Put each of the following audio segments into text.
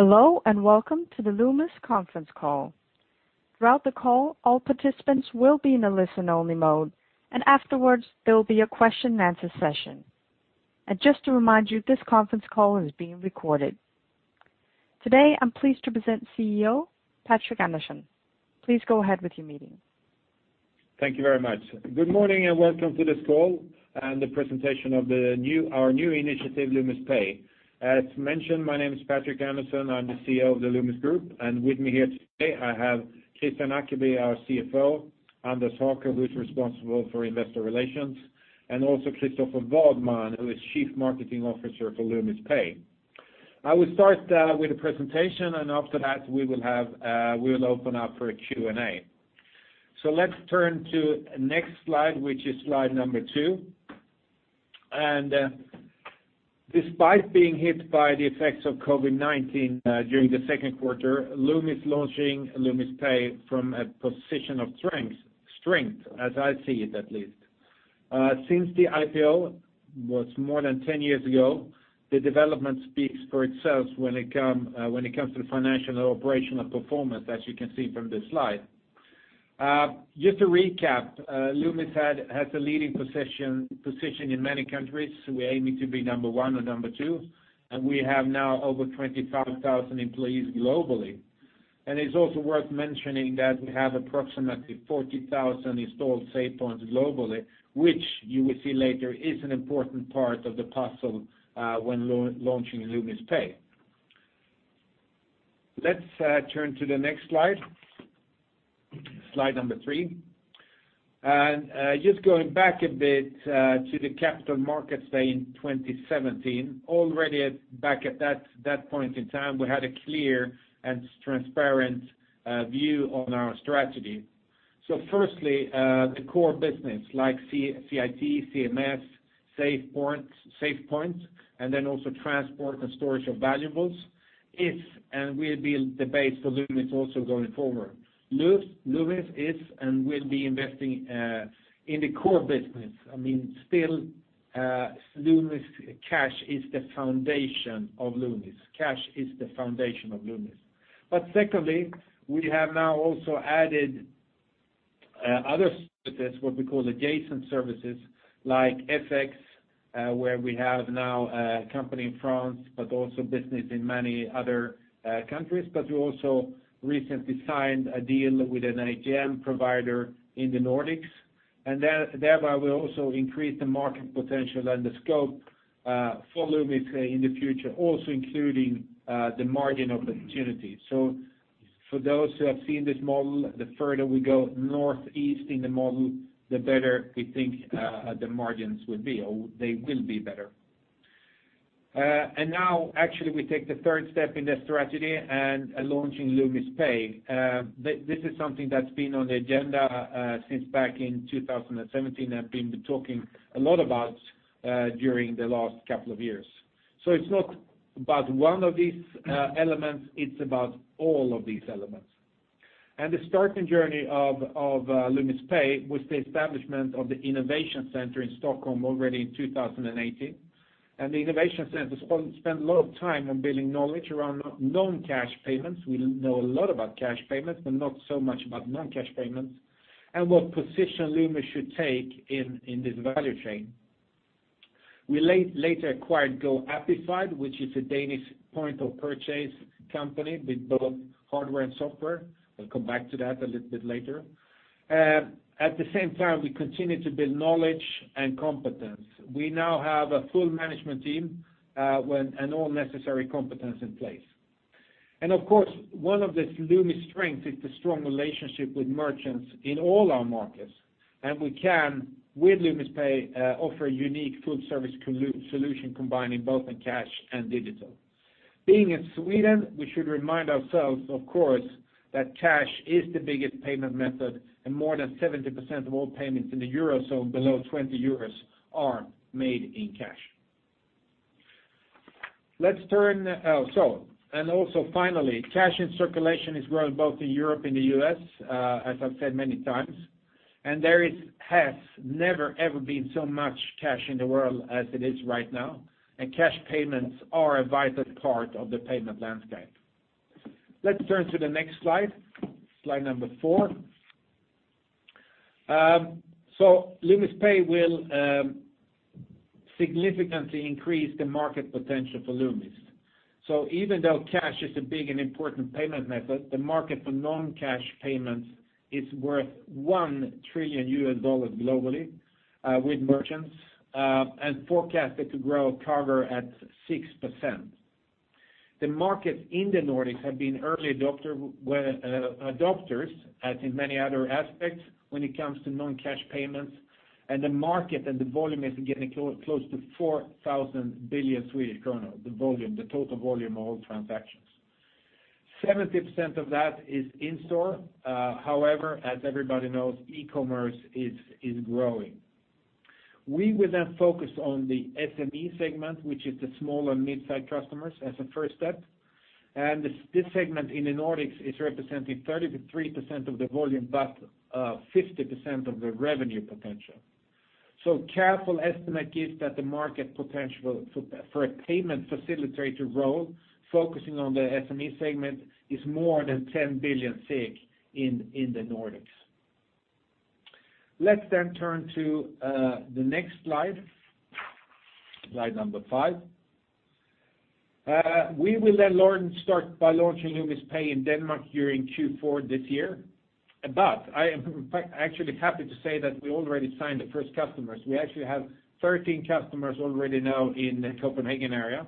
Hello, welcome to the Loomis conference call. Throughout the call, all participants will be in a listen-only mode, and afterwards, there will be a question and answer session. Just to remind you, this conference call is being recorded. Today, I'm pleased to present CEO, Patrik Andersson. Please go ahead with your meeting. Thank you very much. Good morning, and welcome to this call and the presentation of our new initiative, Loomis Pay. As mentioned, my name is Patrik Andersson. I'm the CEO of the Loomis Group. With me here today I have Kristian Ackeby, our CFO, Anders Haker who's responsible for investor relations, and also Kristoffer Wadman, who is Chief Marketing Officer for Loomis Pay. I will start with the presentation, and after that, we will open up for a Q&A. Let's turn to next slide, which is slide number two. Despite being hit by the effects of COVID-19 during the second quarter, Loomis launching Loomis Pay from a position of strength, as I see it at least. Since the IPO was more than 10 years ago, the development speaks for itself when it comes to the financial operational performance, as you can see from this slide. Just to recap, Loomis has a leading position in many countries. We're aiming to be number one or number two. We have now over 25,000 employees globally. It's also worth mentioning that we have approximately 40,000 installed SafePoints globally, which you will see later is an important part of the puzzle when launching Loomis Pay. Let's turn to the next slide number three. Just going back a bit, to the capital markets day in 2017, already back at that point in time, we had a clear and transparent view on our strategy. Firstly, the core business like CIT, CMS, SafePoint, and then also transport and storage of valuables, is and will be the base for Loomis also going forward. Loomis is and will be investing in the core business. Still, Loomis cash is the foundation of Loomis. Secondly, we have now also added other services, what we call adjacent services, like FX, where we have now a company in France, but also business in many other countries, but we also recently signed a deal with an ATM provider in the Nordics. Thereby we will also increase the market potential and the scope for Loomis in the future, also including the margin of the opportunity. For those who have seen this model, the further we go northeast in the model, the better we think the margins will be, or they will be better. Now, actually, we take the third step in the strategy and launching Loomis Pay. This is something that has been on the agenda since back in 2017, and been talking a lot about, during the last couple of years. It is not about one of these elements, it is about all of these elements. The starting journey of Loomis Pay was the establishment of the innovation center in Stockholm already in 2018. The innovation center spent a lot of time on building knowledge around non-cash payments. We know a lot about cash payments, but not so much about non-cash payments and what position Loomis should take in this value chain. We later acquired GoAppified, which is a Danish point-of-purchase company with both hardware and software. We'll come back to that a little bit later. At the same time, we continued to build knowledge and competence. We now have a full management team, and all necessary competence in place. Of course, one of the Loomis strength is the strong relationship with merchants in all our markets. We can, with Loomis Pay, offer a unique full-service solution combining both in cash and digital. Being in Sweden, we should remind ourselves, of course, that cash is the biggest payment method. More than 70% of all payments in the Euro zone below 20 euros are made in cash. Finally, cash in circulation is growing both in Europe and the U.S. as I've said many times. There has never, ever been so much cash in the world as it is right now, and cash payments are a vital part of the payment landscape. Let's turn to the next slide four. Loomis Pay will significantly increase the market potential for Loomis. Even though cash is a big and important payment method, the market for non-cash payments is worth $1 trillion globally, with merchants, and forecasted to grow CAGR at 6%. The markets in the Nordics have been early adopters, as in many other aspects when it comes to non-cash payments. The market and the volume is getting close to 4,000 billion Swedish kronor, the total volume of all transactions. 70% of that is in-store, however, as everybody knows, e-commerce is growing. We will focus on the SME segment, which is the small and mid-size customers as a first step. This segment in the Nordics is representing 33% of the volume, but 50% of the revenue potential. Careful estimate gives that the market potential for a payment facilitator role focusing on the SME segment is more than 10 billion in the Nordics. Let's turn to the next slide number five. We will start by launching Loomis Pay in Denmark during Q4 this year. I am actually happy to say that we already signed the first customers. We actually have 13 customers already now in the Copenhagen area.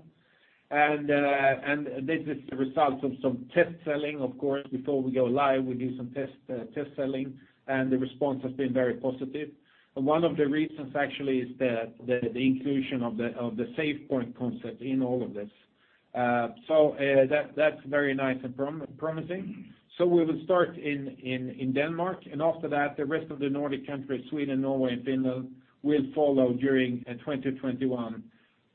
This is the result of some test selling, of course. Before we go live, we do some test selling. The response has been very positive. One of the reasons actually is the inclusion of the SafePoint concept in all of this. That's very nice and promising. We will start in Denmark, and after that, the rest of the Nordic countries, Sweden, Norway, and Finland, will follow during 2021.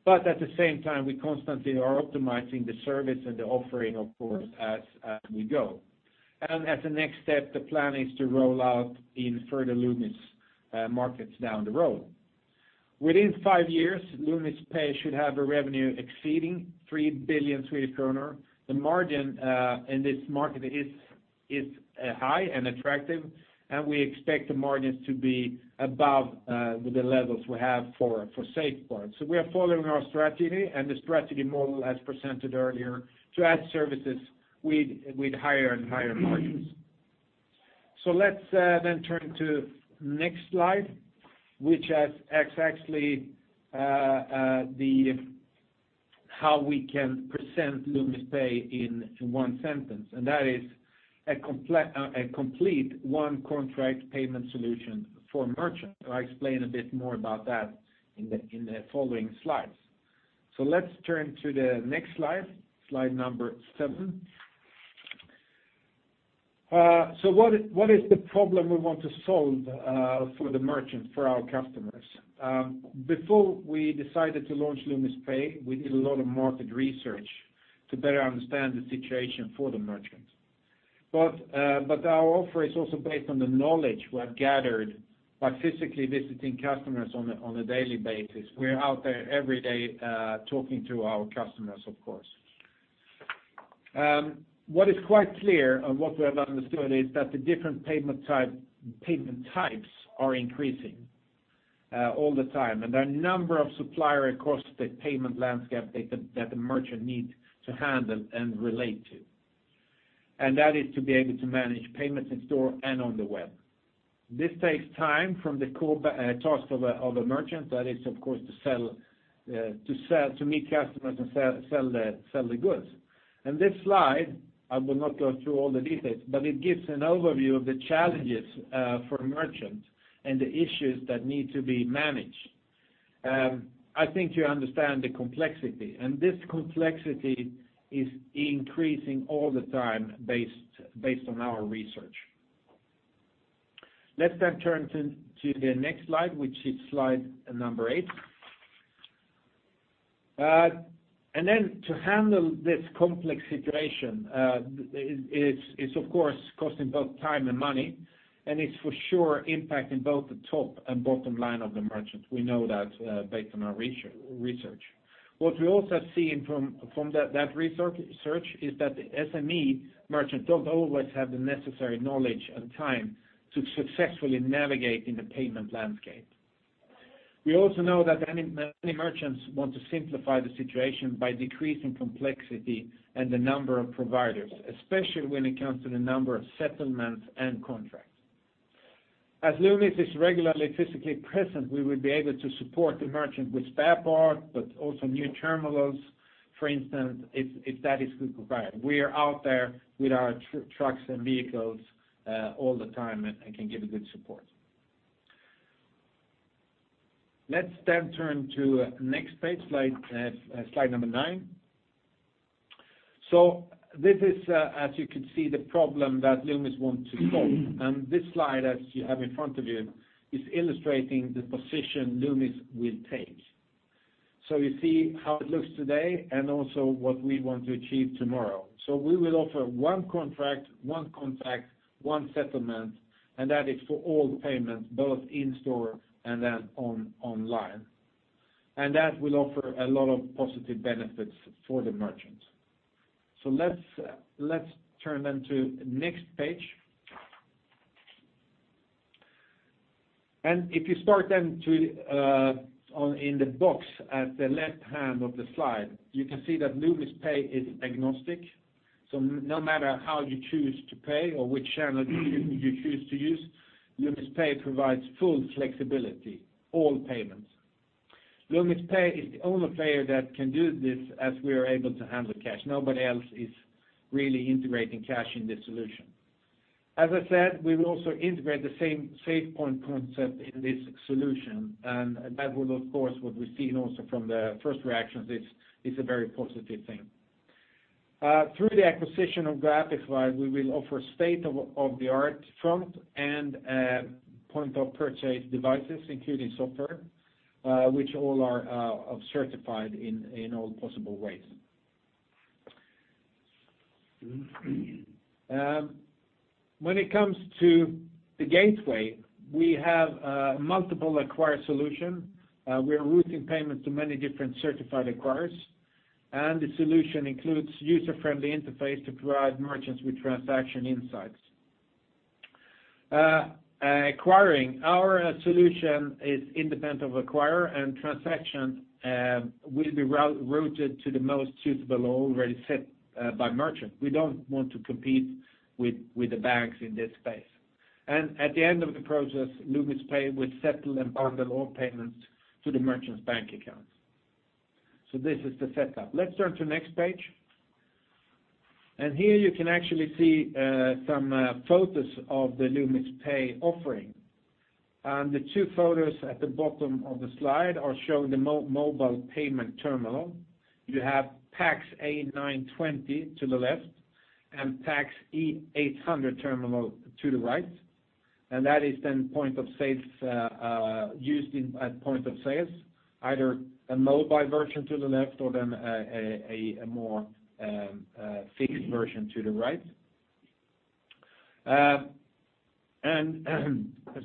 At the same time, we constantly are optimizing the service and the offering, of course, as we go. As a next step, the plan is to roll out in further Loomis markets down the road. Within five years, Loomis Pay should have a revenue exceeding 3 billion Swedish kronor. The margin in this market is high and attractive. We expect the margins to be above the levels we have for SafePoint. We are following our strategy, and the strategy model as presented earlier, to add services with higher and higher margins. Let's turn to next slide, which is actually how we can present Loomis Pay in one sentence, and that is a complete one-contract payment solution for merchants. I explain a bit more about that in the following slides. Let's turn to the next slide number seven. What is the problem we want to solve for the merchants, for our customers? Before we decided to launch Loomis Pay, we did a lot of market research to better understand the situation for the merchants. Our offer is also based on the knowledge we have gathered by physically visiting customers on a daily basis. We're out there every day talking to our customers, of course. What is quite clear and what we have understood is that the different payment types are increasing all the time, and there are number of supplier across the payment landscape that the merchant need to handle and relate to. That is to be able to manage payments in store and on the web. This takes time from the core task of a merchant. That is, of course, to meet customers and sell the goods. This slide, I will not go through all the details, but it gives an overview of the challenges for merchants and the issues that need to be managed. I think you understand the complexity. This complexity is increasing all the time based on our research. Let's turn to the next slide, which is slide number 8. To handle this complex situation, it's of course costing both time and money, and it's for sure impacting both the top and bottom line of the merchant. We know that based on our research. What we also have seen from that research is that the SME merchant don't always have the necessary knowledge and time to successfully navigate in the payment landscape. We also know that many merchants want to simplify the situation by decreasing complexity and the number of providers, especially when it comes to the number of settlements and contracts. As Loomis is regularly physically present, we will be able to support the merchant with spare parts, but also new terminals, for instance, if that is required. We are out there with our trucks and vehicles all the time and can give good support. Let's then turn to next page, slide number nine. This is, as you can see, the problem that Loomis want to solve. This slide, as you have in front of you, is illustrating the position Loomis will take. You see how it looks today and also what we want to achieve tomorrow. We will offer one contract, one contact, one settlement, and that is for all payments, both in store and then online. That will offer a lot of positive benefits for the merchants. Let's turn then to next page. If you start then in the box at the left hand of the slide, you can see that Loomis Pay is agnostic. No matter how you choose to pay or which channel you choose to use, Loomis Pay provides full flexibility, all payments. Loomis Pay is the only player that can do this as we are able to handle cash. Nobody else is really integrating cash in this solution. As I said, we will also integrate the same SafePoint concept in this solution, and that will, of course, what we've seen also from the first reactions, is a very positive thing. Through the acquisition of GoAppified, we will offer state-of-the-art front and point-of-purchase devices, including software which all are certified in all possible ways. When it comes to the gateway, we have multiple acquirer solution. We are routing payments to many different certified acquirers, and the solution includes user-friendly interface to provide merchants with transaction insights. Acquiring. Our solution is independent of acquirer and transaction will be routed to the most suitable already set by merchant. We don't want to compete with the banks in this space. At the end of the process, Loomis Pay will settle and bundle all payments to the merchant's bank accounts. This is the setup. Let's turn to next page. Here you can actually see some photos of the Loomis Pay offering. The two photos at the bottom of the slide are showing the mobile payment terminal. You have PAX A920 to the left and PAX E800 terminal to the right. That is then used at point of sale, either a mobile version to the left or then a more fixed version to the right.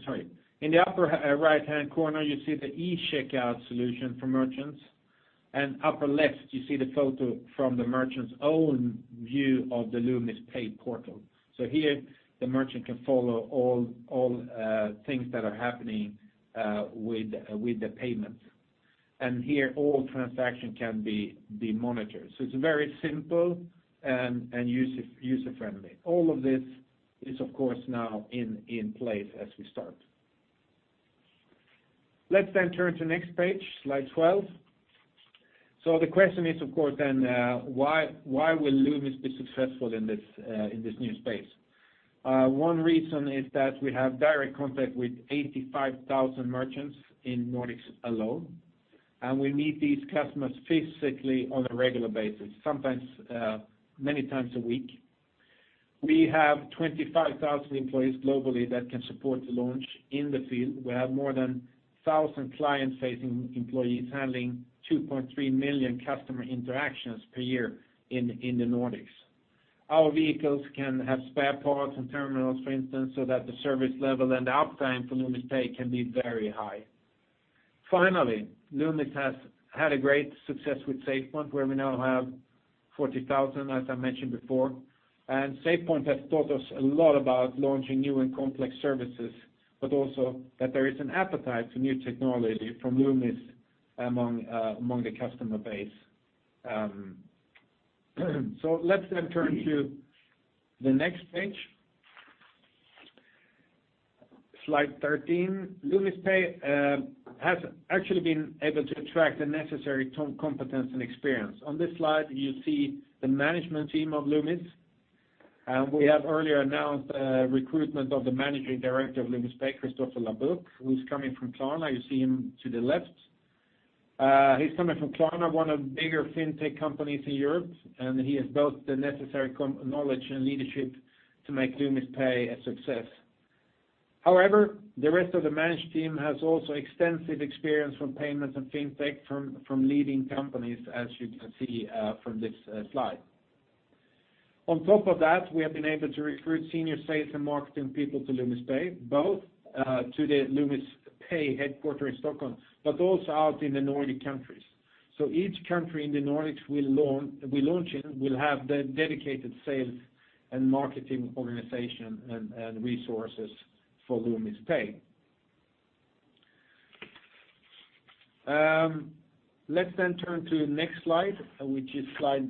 Sorry. In the upper right-hand corner, you see the eCheckout solution for merchants. Upper left, you see the photo from the merchant's own view of the Loomis Pay portal. Here, the merchant can follow all things that are happening with the payment. Here, all transaction can be monitored. It's very simple and user-friendly. All of this is, of course, now in place as we start. Let's turn to next page, slide 12. The question is, of course, why will Loomis be successful in this new space? One reason is that we have direct contact with 85,000 merchants in Nordics alone, and we meet these customers physically on a regular basis, sometimes many times a week. We have 25,000 employees globally that can support the launch in the field. We have more than 1,000 client-facing employees handling 2.3 million customer interactions per year in the Nordics. Our vehicles can have spare parts and terminals, for instance, so that the service level and uptime for Loomis Pay can be very high. Loomis has had a great success with SafePoint, where we now have 40,000, as I mentioned before. SafePoint has taught us a lot about launching new and complex services, but also that there is an appetite for new technology from Loomis among the customer base. Let's then turn to the next page. Slide 13. Loomis Pay has actually been able to attract the necessary competence and experience. On this slide, you see the management team of Loomis, and we have earlier announced recruitment of the managing director of Loomis Pay, Kristoffer Labuc, who's coming from Klarna. You see him to the left. He's coming from Klarna, one of the bigger fintech companies in Europe. He has both the necessary knowledge and leadership to make Loomis Pay a success. However, the rest of the managed team has also extensive experience from payments and fintech from leading companies, as you can see from this slide. On top of that, we have been able to recruit senior sales and marketing people to Loomis Pay, both to the Loomis Pay headquarter in Stockholm, also out in the Nordic countries. Each country in the Nordics we launch in will have the dedicated sales and marketing organization and resources for Loomis Pay. Let's turn to next slide, which is slide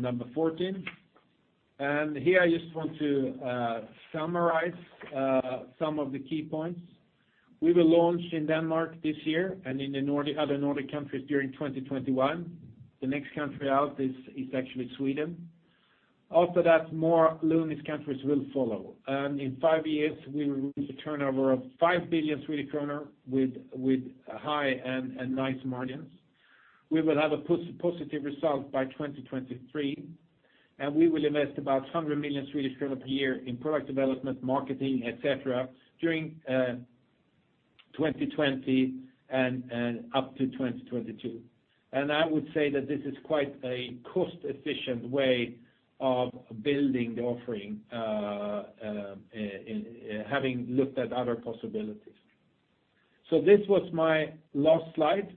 number 14. Here I just want to summarize some of the key points. We will launch in Denmark this year and in the other Nordic countries during 2021. The next country out is actually Sweden. After that, more Loomis countries will follow. In five years, we will reach a turnover of 5 billion with high and nice margins. We will have a positive result by 2023. We will invest about 100 million Swedish kronor per year in product development, marketing, et cetera, during 2020 and up to 2022. I would say that this is quite a cost-efficient way of building the offering, having looked at other possibilities. This was my last slide.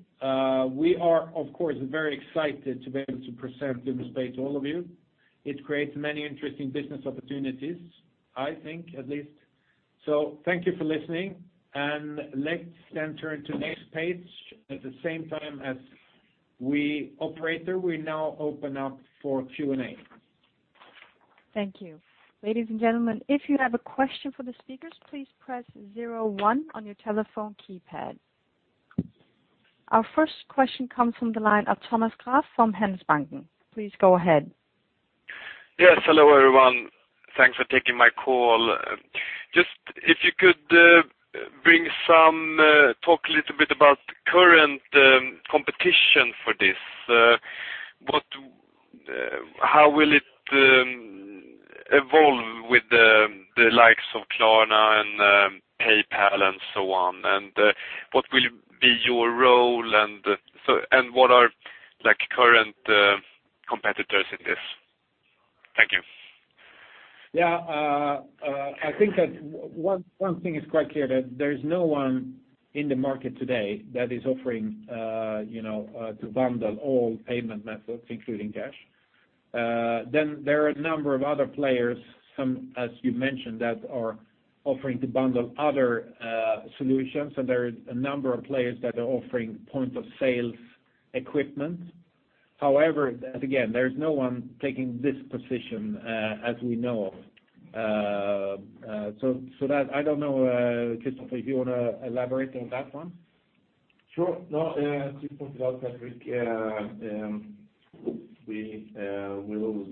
We are, of course, very excited to be able to present Loomis Pay to all of you. It creates many interesting business opportunities, I think, at least. Thank you for listening. Let's then turn to next page. At the same time as we operate there, we now open up for Q&A. Thank you. Ladies and gentlemen, if you have a question for the speakers, please press zero one on your telephone keypad. Our first question comes from the line of Thomas Graff from Handelsbanken. Please go ahead. Yes. Hello, everyone. Thanks for taking my call. Just if you could talk a little bit about the current competition for this. How will evolve with the likes of Klarna and PayPal, and so on. What will be your role, and what are current competitors in this? Thank you. Yeah. I think that one thing is quite clear, that there's no one in the market today that is offering to bundle all payment methods, including cash. There are a number of other players, some, as you mentioned, that are offering to bundle other solutions, and there are a number of players that are offering point-of-sale equipment. However, again, there's no one taking this position as we know. That, I don't know, Kristoffer, if you want to elaborate on that one? Sure. No, as you pointed out, Patrik, we will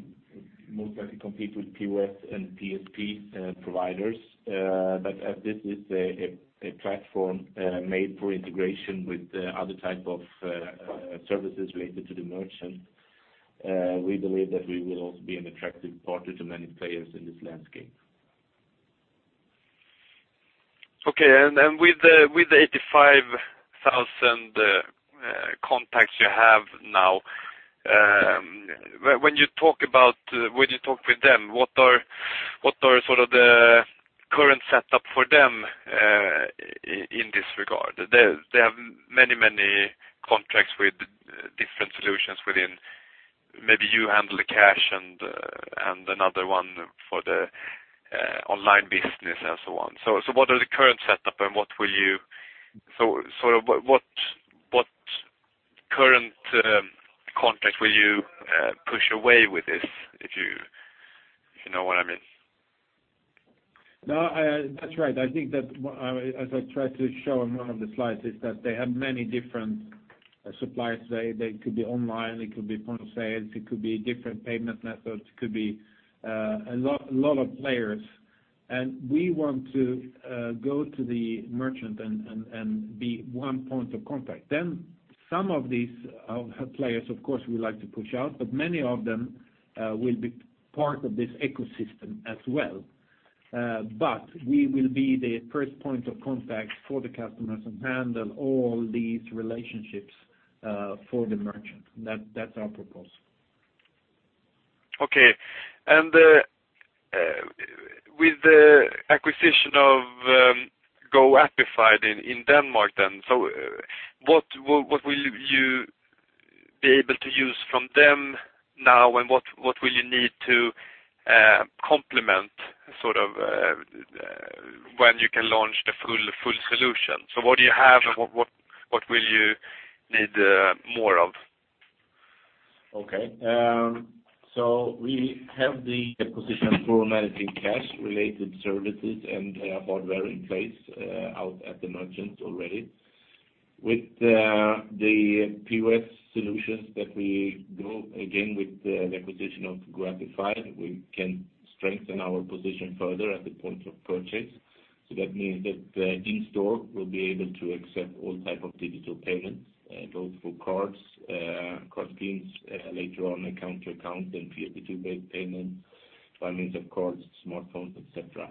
most likely compete with POS and PSP providers. As this is a platform made for integration with other type of services related to the merchant, we believe that we will also be an attractive partner to many players in this landscape. Okay. With the 85,000 contacts you have now, when you talk with them, what are sort of the current setup for them in this regard? They have many contracts with different solutions within maybe you handle the cash and another one for the online business and so on. What are the current setup and what current contracts will you push away with this, if you know what I mean? No, that's right. I think that as I tried to show on one of the slides is that they have many different suppliers. They could be online, it could be point of sale, it could be different payment methods, it could be a lot of players. We want to go to the merchant and be one point of contact. Some of these players, of course, we like to push out, but many of them will be part of this ecosystem as well. We will be the first point of contact for the customers and handle all these relationships for the merchant. That's our proposal. Okay. With the acquisition of GoAppified in Denmark then, what will you be able to use from them now, and what will you need to complement sort of when you can launch the full solution? What do you have and what will you need more of? Okay. We have the acquisition for managing cash related services and hardware in place out at the merchants already. With the POS solutions that we do, again, with the acquisition of GoAppified, we can strengthen our position further at the point of purchase. That means that in store we'll be able to accept all type of digital payments, both through cards, card schemes later on account-to-account and P2P-based payments by means of cards, smartphones, et cetera.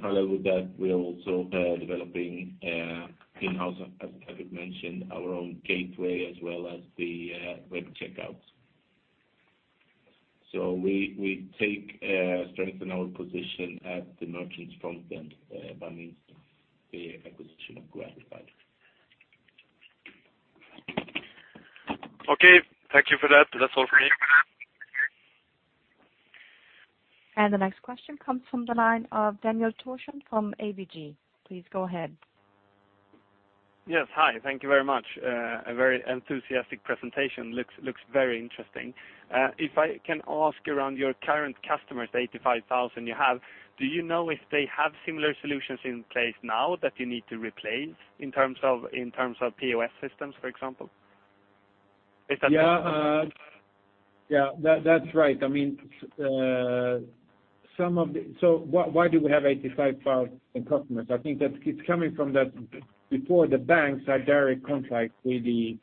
Follow with that, we are also developing in-house, as Patrik mentioned, our own gateway as well as the web checkouts. We take strength in our position at the merchants' front end by means of the acquisition of GoAppified. Okay. Thank you for that. That's all for me. The next question comes from the line of Daniel Thorsson from ABG. Please go ahead. Yes, hi. Thank you very much. A very enthusiastic presentation, looks very interesting. If I can ask around your current customers, 85,000 you have, do you know if they have similar solutions in place now that you need to replace in terms of POS systems, for example? Yeah. That's right. Why do we have 85,000 customers? I think that it's coming from that before the banks had direct contract with these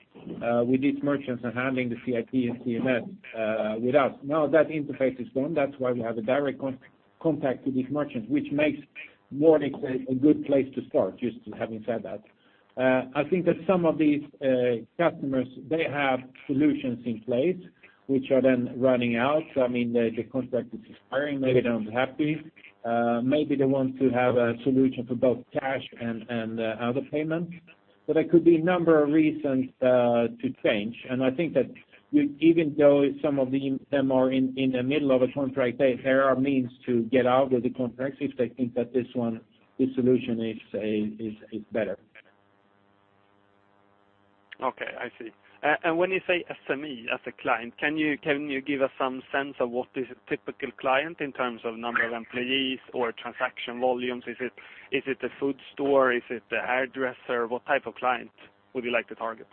merchants and handling the CIT and CMS, without. Now that interface is gone, that's why we have a direct contact with these merchants, which makes morning a good place to start, just having said that. I think that some of these customers, they have solutions in place which are then running out. I mean, the contract is expiring. Maybe they're not happy. Maybe they want to have a solution for both cash and other payments. There could be a number of reasons to change. I think that even though some of them are in the middle of a contract, there are means to get out of the contracts if they think that this solution is better. Okay. I see. When you say SME as a client, can you give us some sense of what is a typical client in terms of number of employees or transaction volumes? Is it a food store? Is it the hairdresser? What type of client would you like to target?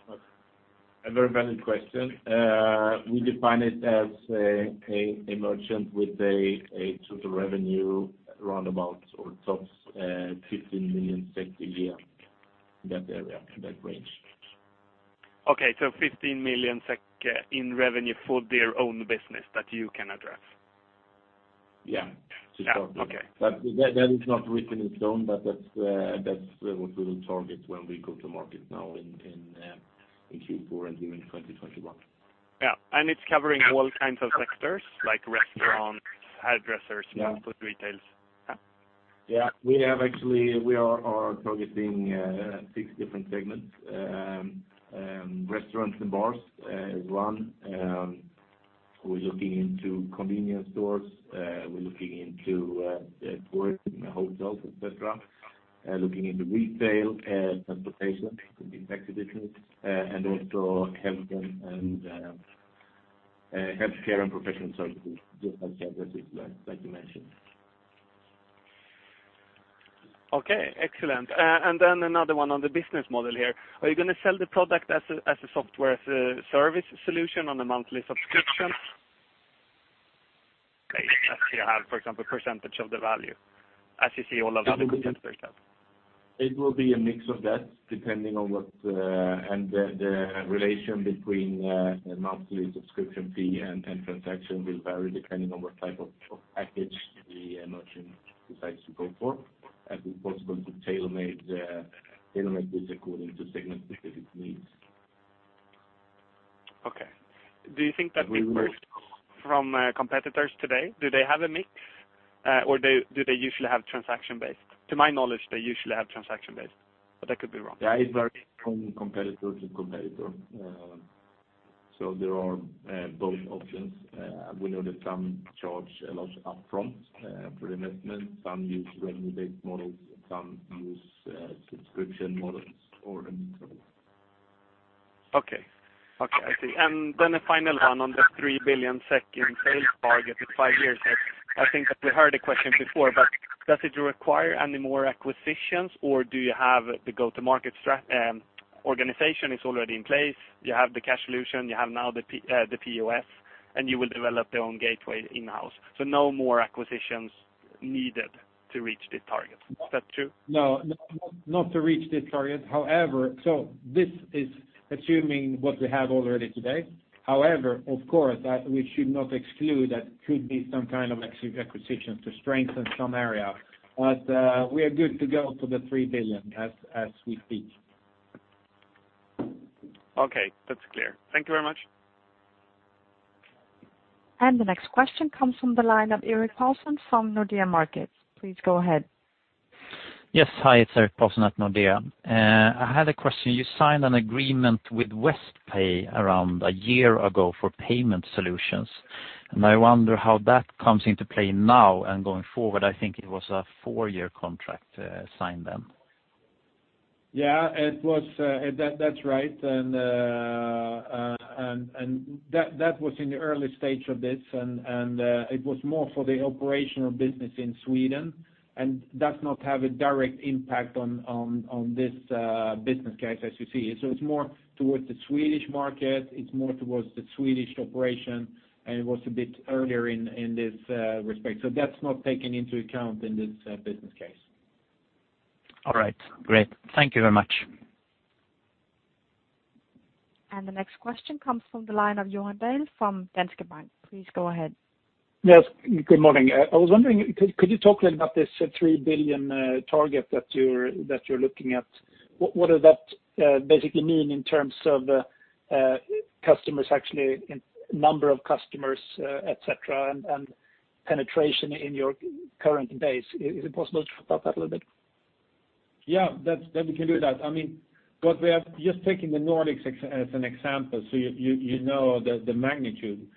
A very valid question. We define it as a merchant with a total revenue around about or tops 15 million a year. That area, that range. Okay, 15 million SEK in revenue for their own business that you can address? Yeah. To start with. Okay. That is not written in stone, but that's what we will target when we go to market now in Q4 and even 2021. Yeah. It's covering all kinds of sectors, like restaurants, hairdressers- Yeah multiple retails. Yeah. Yeah. We are targeting six different segments. Restaurants and bars is one. We're looking into convenience stores. We're looking into tourism, hotels, et cetera. Looking into retail, transportation, could be taxi, and also healthcare and professional services, just as you mentioned. Okay, excellent. Another one on the business model here. Are you going to sell the product as a software service solution on a monthly subscription? Do you have, for example, percentage of the value, as you see all of the other competitors have? It will be a mix of that, and the relation between the monthly subscription fee and transaction will vary depending on what type of package the merchant decides to go for. It will be possible to tailor-made this according to segment specific needs. Okay. Do you think that differs from competitors today? Do they have a mix, or do they usually have transaction based? To my knowledge, they usually have transaction based, but I could be wrong. Yeah, it varies from competitor to competitor. There are both options. We know that some charge a lot upfront for the investment. Some use revenue-based models, some use subscription models, or a mix of them. Okay. I see. A final one on the 3 billion SEK in sales target in five years. I think that we heard a question before, does it require any more acquisitions, or do you have the go-to-market organization is already in place, you have the cash solution, you have now the POS, and you will develop your own gateway in-house, no more acquisitions needed to reach this target. Is that true? No, not to reach this target. This is assuming what we have already today. Of course, we should not exclude that could be some kind of acquisitions to strengthen some area. We are good to go for the 3 billion as we speak. Okay. That's clear. Thank you very much. The next question comes from the line of Erik Paulsson from Nordea Markets. Please go ahead. Yes. Hi, it's Erik Paulsson at Nordea. I had a question. You signed an agreement with Westpay around a year ago for payment solutions, I wonder how that comes into play now and going forward. I think it was a four-year contract signed then. Yeah, that's right. That was in the early stage of this, and it was more for the operational business in Sweden, and does not have a direct impact on this business case, as you see. It's more towards the Swedish market, it's more towards the Swedish operation, and it was a bit earlier in this respect. That's not taken into account in this business case. All right. Great. Thank you very much. The next question comes from the line of Johan Dahl from Danske Bank. Please go ahead. Good morning. I was wondering, could you talk a little about this 3 billion target that you're looking at? What does that basically mean in terms of number of customers, et cetera, and penetration in your current base? Is it possible to talk that a little bit? Yeah, we can do that. We have just taken the Nordics as an example, so you know the magnitude.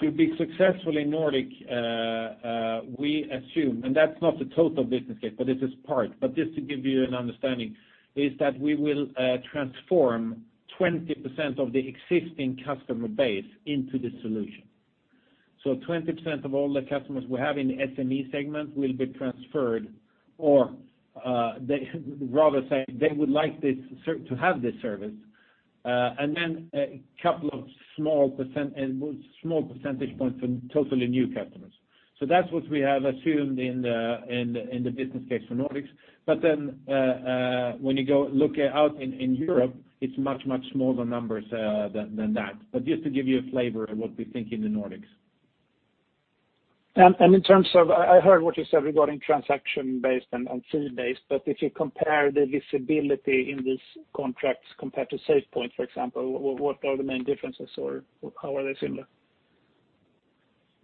To be successful in the Nordics, we assume, and that's not the total business case, but this is part, but just to give you an understanding, is that we will transform 20% of the existing customer base into this solution. 20% of all the customers we have in the SME segment will be transferred, or rather say, they would like to have this service. Then a couple of small percentage points from totally new customers. That's what we have assumed in the business case for the Nordics. When you go look out in Europe, it's much, much smaller numbers than that. Just to give you a flavor of what we think in the Nordics. I heard what you said regarding transaction based and fee based, if you compare the visibility in these contracts compared to SafePoint, for example, what are the main differences, or how are they similar?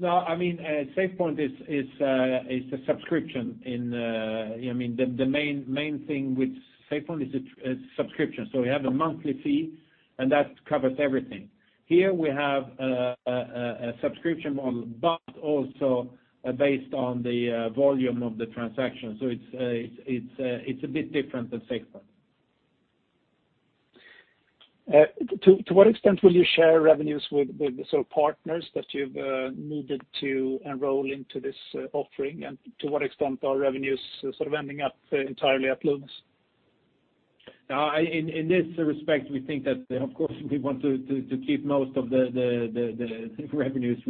SafePoint is a subscription. The main thing with SafePoint is it's subscription. We have a monthly fee, and that covers everything. Here we have a subscription model but also based on the volume of the transaction. It's a bit different than SafePoint. To what extent will you share revenues with partners that you've needed to enroll into this offering? To what extent are revenues sort of ending up entirely at Loomis? In this respect, we think that, of course, we want to keep most of the revenues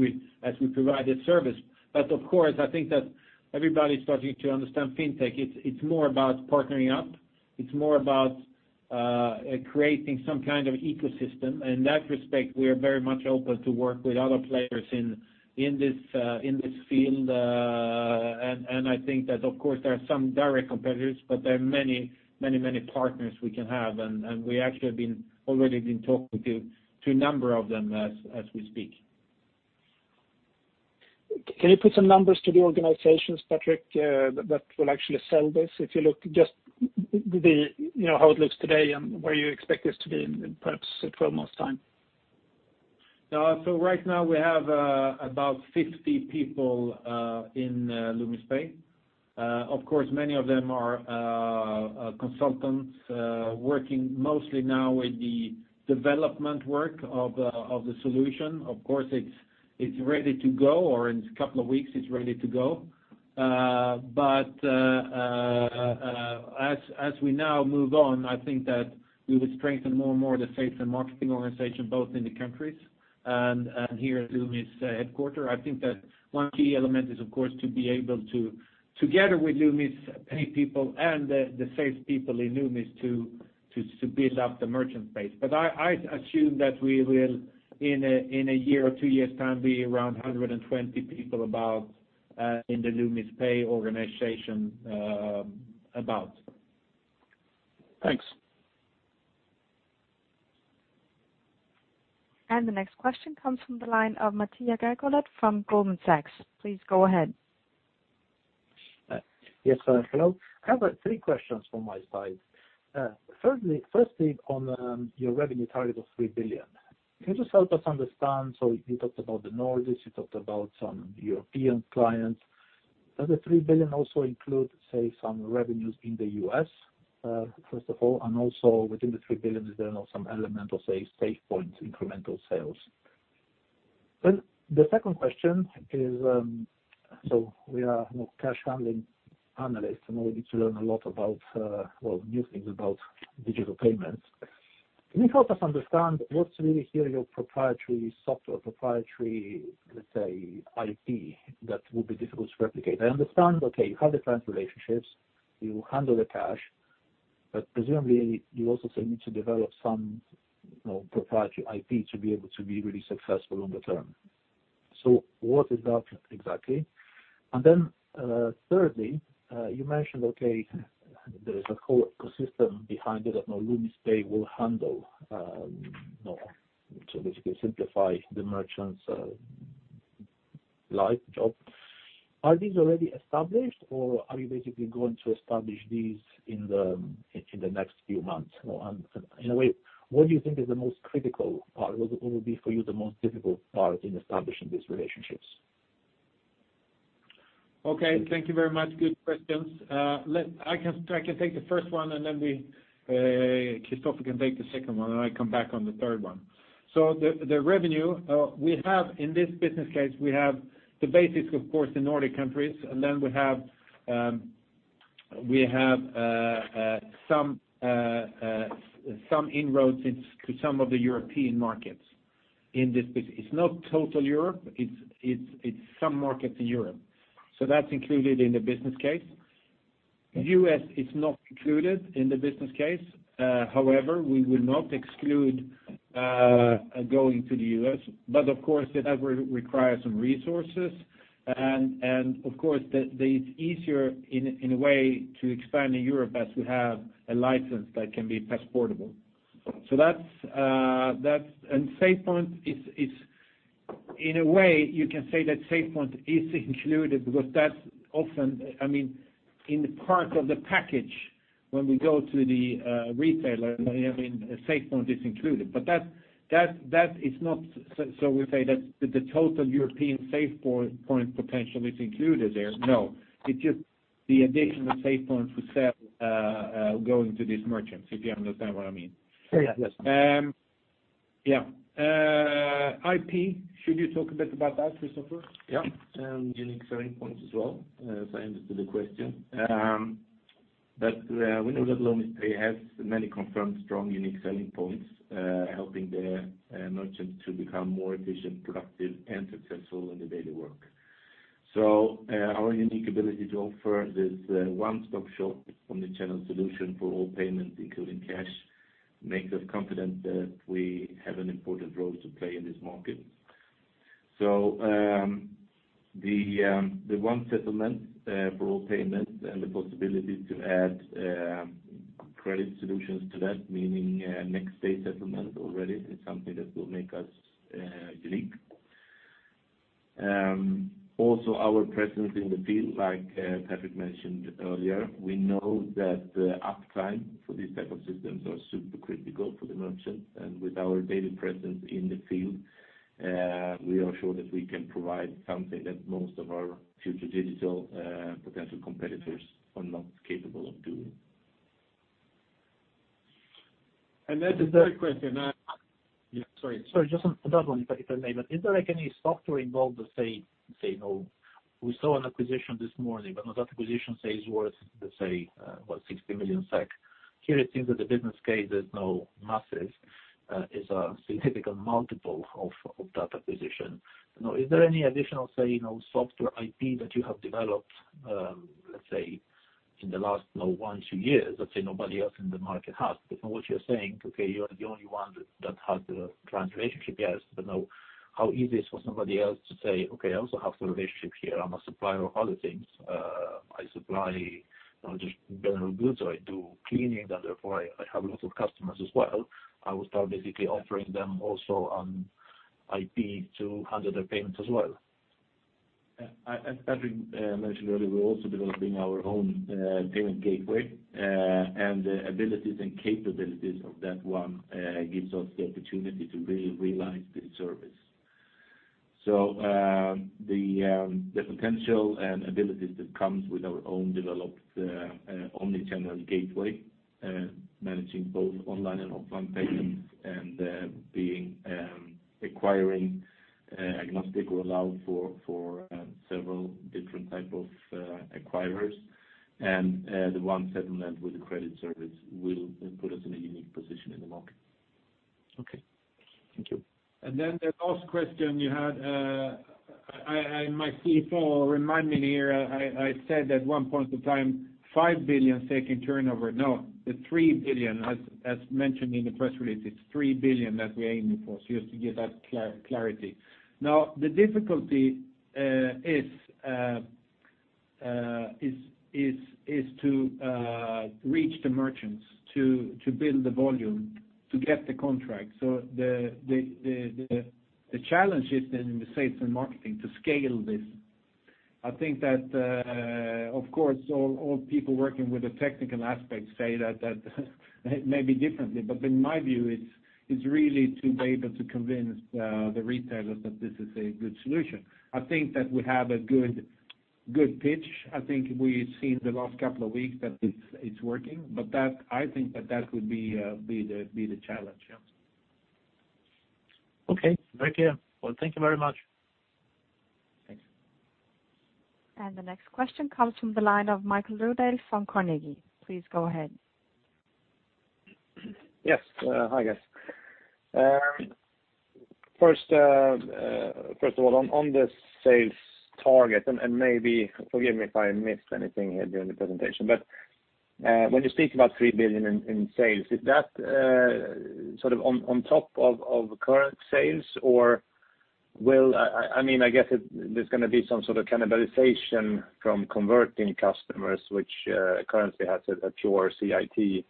as we provide this service. Of course, I think that everybody's starting to understand fintech. It's more about partnering up. Creating some kind of ecosystem. In that respect, we are very much open to work with other players in this field. I think that, of course, there are some direct competitors, but there are many partners we can have, and we actually have already been talking to a number of them as we speak. Can you put some numbers to the organizations, Patrik, that will actually sell this? If you look just how it looks today and where you expect this to be in perhaps 12 months' time. Right now we have about 50 people in Loomis Pay. Of course, many of them are consultants working mostly now with the development work of the solution. Of course, it's ready to go, or in a couple of weeks it's ready to go. As we now move on, I think that we will strengthen more and more the sales and marketing organization, both in the countries and here at Loomis headquarter. I think that one key element is, of course, to be able to, together with Loomis Pay people and the salespeople in Loomis, to build up the merchant base. I assume that we will, in a year or two years' time, be around 120 people about in the Loomis Pay organization, about. Thanks. The next question comes from the line of Matija Gergolet from Goldman Sachs. Please go ahead. Yes, hello. I have three questions from my side. On your revenue target of 3 billion. Can you just help us understand, you talked about the Nordics, you talked about some European clients. Does the 3 billion also include, say, some revenues in the U.S. first of all? Within the 3 billion, is there now some element of, say, SafePoint incremental sales? The second question is, we are cash handling analysts, and we need to learn a lot about new things about digital payments. Can you help us understand what's really here your proprietary software, proprietary, let's say, IP that would be difficult to replicate? I understand that you have the client relationships, you handle the cash, presumably you also need to develop some proprietary IP to be able to be really successful in the term. What is that exactly? Thirdly, you mentioned, okay, there is a whole ecosystem behind it that now Loomis Pay will handle to basically simplify the merchant's life, job. Are these already established or are you basically going to establish these in the next few months? In a way, what do you think is the most critical part? What would be for you the most difficult part in establishing these relationships? Okay. Thank you very much. Good questions. I can take the first one, and then Kristoffer can take the second one, and I come back on the third one. The revenue, we have in this business case, we have the basics, of course, the Nordic countries, and then we have some inroads into some of the European markets in this business. It's not total Europe, it's some markets in Europe. That's included in the business case. U.S. is not included in the business case. However, we will not exclude going to the U.S. but of course that will require some resources, and of course it's easier in a way to expand in Europe as we have a license that can be passportable. SafePoint is, in a way you can say that SafePoint is included because that's often in the part of the package when we go to the retailer, SafePoint is included. That is not, so we say that the total European SafePoint potential is included there. No, it's just the additional SafePoints we sell going to these merchants, if you understand what I mean. Yeah. Yes. Yeah. IP, should you talk a bit about that, Kristoffer? Yeah. Unique selling points as well, as I understood the question. We know that Loomis Pay has many confirmed strong, unique selling points, helping their merchants to become more efficient, productive and successful in their daily work. Our unique ability to offer this one-stop shop omnichannel solution for all payments, including cash, makes us confident that we have an important role to play in this market. The one settlement for all payments and the possibility to add credit solutions to that, meaning next day settlement already, is something that will make us unique. Also, our presence in the field, like Patrik mentioned earlier, we know that uptime for these types of systems are super critical for the merchants. With our daily presence in the field, we are sure that we can provide something that most of our future digital potential competitors are not capable of doing. The third question, yes, sorry. Sorry, just on that one, if I may. Is there any software involved let's say, we saw an acquisition this morning, but now that acquisition, say, is worth, let's say, what, 60 million SEK. Here it seems that the business case is now massive, is a significant multiple of that acquisition. Is there any additional, say, software IP that you have developed, let's say in the last one, two years, let's say nobody else in the market has. From what you're saying, okay, you are the only one that has the trans relationship. Yes, how easy is for somebody else to say, "Okay, I also have the relationship here. I'm a supplier of other things. I supply not just general goods or I do cleaning, and therefore I have a lot of customers as well. I will start basically offering them also on IP to handle their payments as well. As Patrik mentioned earlier, we're also developing our own payment gateway, the abilities and capabilities of that one gives us the opportunity to really realize this service. The potential and abilities that comes with our own developed omnichannel gateway, managing both online and offline payments, then acquiring agnostic will allow for several different type of acquirers. The one settlement with the credit service will put us in a unique position in the market. Okay. Thank you. The last question you had, my CFO remind me here. I said at one point of time, 5 billion taking turnover. The 3 billion, as mentioned in the press release, it's 3 billion that we're aiming for. Just to give that clarity. The difficulty is to reach the merchants to build the volume to get the contract. The challenge is then in the sales and marketing to scale this. Of course, all people working with the technical aspects say that maybe differently, but in my view, it's really to be able to convince the retailers that this is a good solution. We have a good pitch. We've seen the last couple of weeks that it's working, but I think that that would be the challenge, yeah. Okay. Very clear. Well, thank you very much. Thanks. The next question comes from the line of Viktor Lindeberg from Carnegie. Please go ahead. Yes. Hi, guys. First of all, on the sales target, and maybe forgive me if I missed anything here during the presentation, but when you speak about 3 billion in sales, is that sort of on top of current sales, or, I guess there's going to be some sort of cannibalization from converting customers, which currently has a pure CIT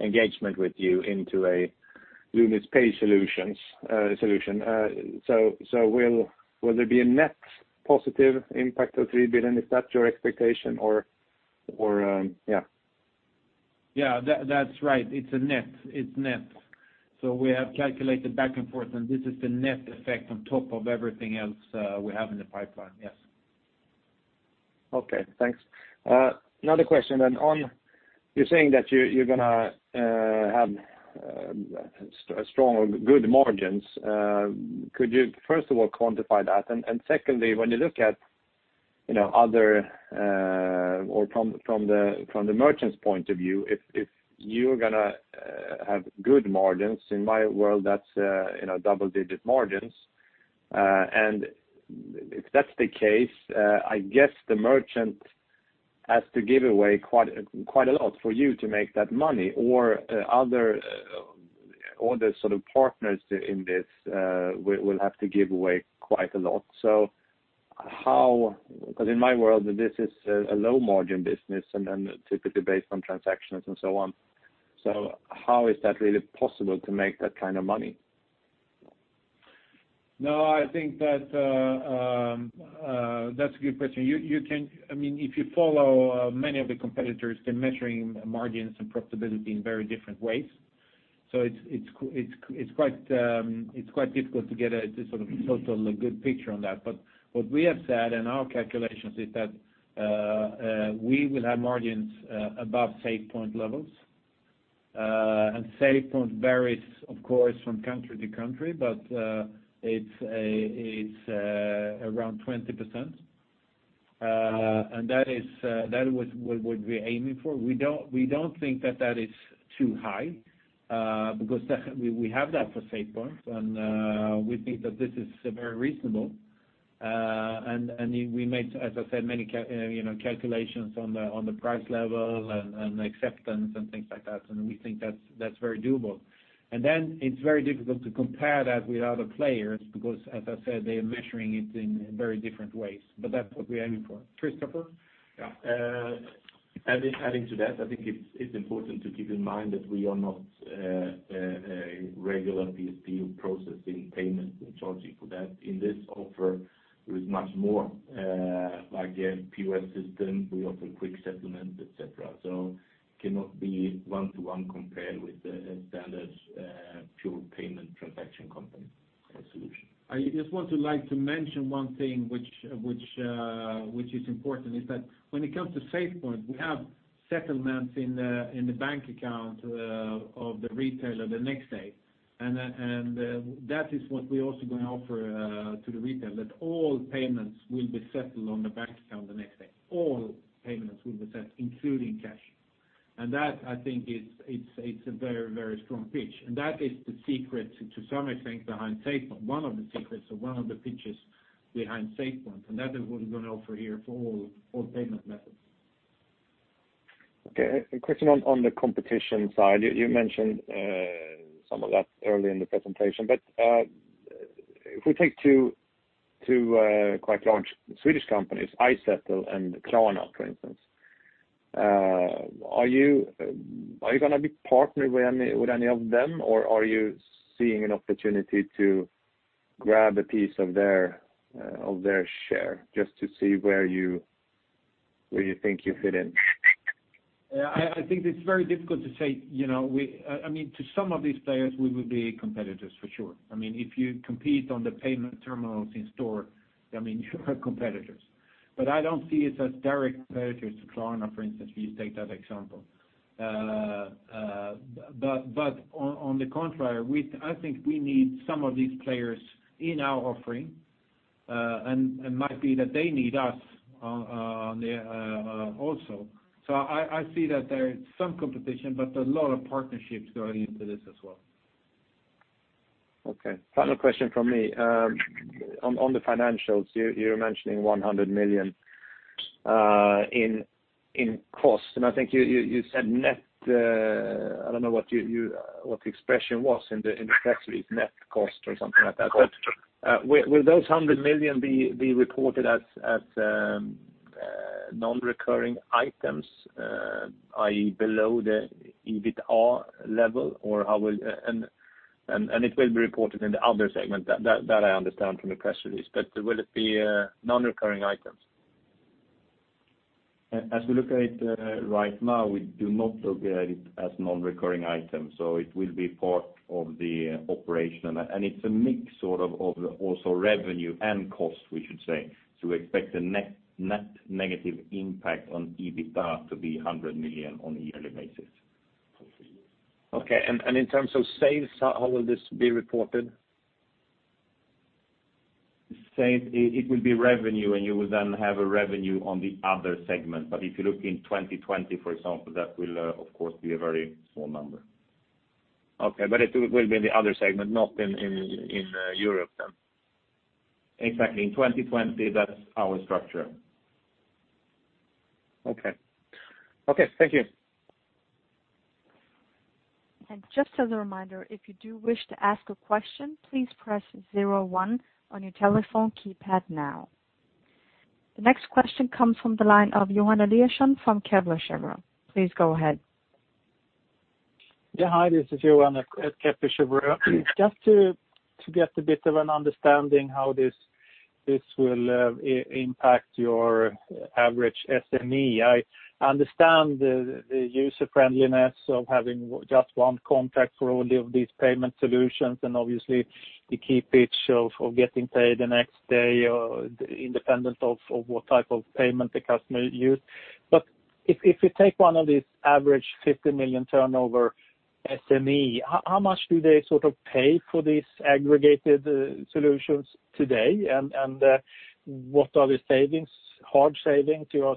engagement with you into a Loomis Pay solution. Will there be a net positive impact of 3 billion? Is that your expectation? Yeah, that's right. It's net. We have calculated back and forth, and this is the net effect on top of everything else we have in the pipeline. Yes. Okay. Thanks. Another question on, you're saying that you're going to have strong or good margins. Could you, first of all, quantify that? Secondly, when you look at other or from the merchant's point of view, if you're going to have good margins, in my world, that's double-digit margins. If that's the case, I guess the merchant has to give away quite a lot for you to make that money or the sort of partners in this, will have to give away quite a lot. In my world, this is a low margin business and then typically based on transactions and so on. How is that really possible to make that kind of money? No, I think that's a good question. If you follow many of the competitors, they're measuring margins and profitability in very different ways. It's quite difficult to get a sort of total good picture on that. What we have said in our calculations is that we will have margins above SafePoint levels. SafePoint varies, of course, from country to country, but it's around 20%. That is what we're aiming for. We don't think that that is too high, because we have that for SafePoint, and we think that this is very reasonable. We made, as I said, many calculations on the price level and acceptance and things like that. We think that's very doable. It's very difficult to compare that with other players because, as I said, they are measuring it in very different ways. That's what we're aiming for. Kristoffer? Yeah. Adding to that, I think it's important to keep in mind that we are not a regular PSP processing payment and charging for that. In this offer, there is much more, like the POS system, we offer quick settlement, et cetera. Cannot be one to one compared with the standard pure payment transaction company solution. I just want to mention one thing which is important, is that when it comes to SafePoint, we have settlements in the bank account of the retailer the next day. That is what we're also going to offer to the retailer, that all payments will be settled on the bank account the next day. All payments will be settled, including cash. That I think it's a very strong pitch. That is the secret to some extent behind SafePoint, one of the secrets or one of the pitches behind SafePoint, that is what we're going to offer here for all payment methods. Okay. A question on the competition side. You mentioned some of that early in the presentation, but if we take two quite large Swedish companies, iZettle and Klarna, for instance. Are you going to be partnered with any of them or are you seeing an opportunity to grab a piece of their share just to see where you think you fit in? I think it's very difficult to say. To some of these players, we will be competitors for sure. If you compete on the payment terminals in store, we are competitors. I don't see us as direct competitors to Klarna, for instance, if you take that example. On the contrary, I think we need some of these players in our offering, and it might be that they need us also. I see that there is some competition, but there are a lot of partnerships going into this as well. Okay. Final question from me. On the financials, you were mentioning 100 million in costs. I think you said net, I don't know what the expression was in the press release, net cost or something like that. Will those 100 million be reported as non-recurring items, i.e. below the EBITA level? It will be reported in the other segment, that I understand from the press release. Will it be non-recurring items? As we look at it right now, we do not look at it as non-recurring items, so it will be part of the operation. It's a mix of also revenue and cost, we should say. We expect the net negative impact on EBITDA to be 100 million on a yearly basis. Okay, in terms of sales, how will this be reported? It will be revenue, and you will then have a revenue on the other segment. If you look in 2020, for example, that will of course be a very small number. Okay. It will be in the other segment, not in Europe then? Exactly. In 2020, that's our structure. Okay. Thank you. Just as a reminder, if you do wish to ask a question, please press zero one on your telephone keypad now. The next question comes from the line of Johan Eliason from Kepler Cheuvreux. Please go ahead. Yeah. Hi, this is Johan at Kepler Cheuvreux. Just to get a bit of an understanding how this will impact your average SME. I understand the user-friendliness of having just one contract for all of these payment solutions, and obviously the key pitch of getting paid the next day or independent of what type of payment the customer used. If you take one of these average 50 million turnover SME, how much do they pay for these aggregated solutions today? What are the hard savings you are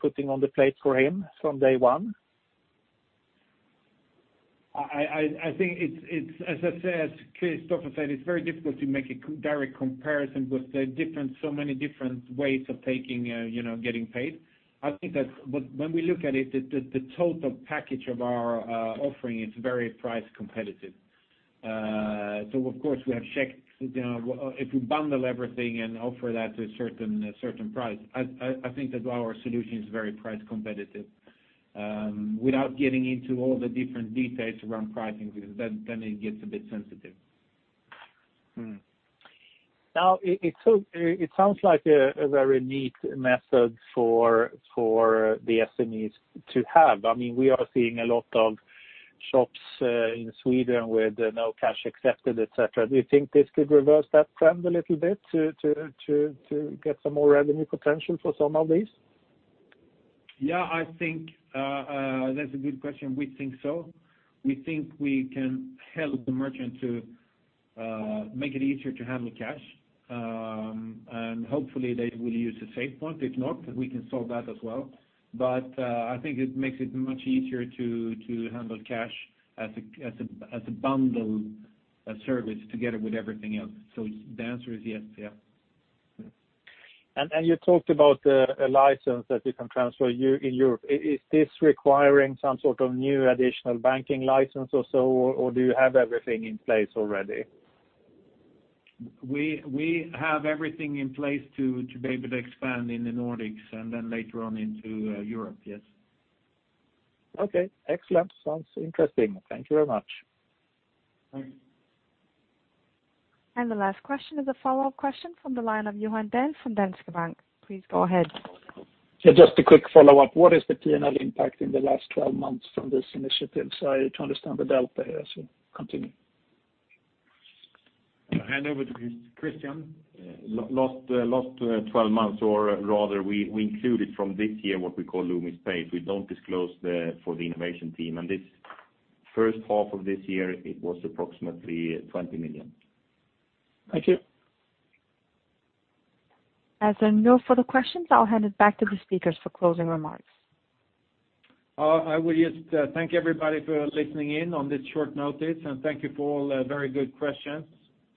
putting on the plate for him from day one? As Kristoffer said, it's very difficult to make a direct comparison because there are so many different ways of getting paid. When we look at it, the total package of our offering, it's very price competitive. Of course, we have checked if we bundle everything and offer that to a certain price, I think that our solution is very price competitive. Without getting into all the different details around pricing, because then it gets a bit sensitive. It sounds like a very neat method for the SMEs to have. We are seeing a lot of shops in Sweden with no cash accepted, et cetera. Do you think this could reverse that trend a little bit to get some more revenue potential for some of these? Yeah, that's a good question. We think so. We think we can help the merchant to make it easier to handle cash, and hopefully they will use the SafePoint. If not, we can solve that as well. I think it makes it much easier to handle cash as a bundled service together with everything else. The answer is yes. You talked about a license that you can transfer in Europe. Is this requiring some sort of new additional banking license or so, or do you have everything in place already? We have everything in place to be able to expand in the Nordics and then later on into Europe, yes. Okay, excellent. Sounds interesting. Thank you very much. Thanks. The last question is a follow-up question from the line of Johan Dahl from Danske Bank. Please go ahead. Yeah, just a quick follow-up. What is the P&L impact in the last 12 months from this initiative? To understand the delta as you continue. I hand over to Kristian. Last 12 months, or rather, we included from this year what we call Loomis Pay. We don't disclose for the innovation team. This first half of this year, it was approximately 20 million. Thank you. As there are no further questions, I'll hand it back to the speakers for closing remarks. I will just thank everybody for listening in on this short notice and thank you for all the very good questions.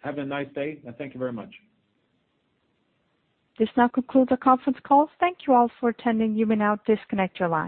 Have a nice day and thank you very much. This now concludes the conference call. Thank you all for attending. You may now disconnect your lines.